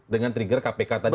dengan trigger kpk tadi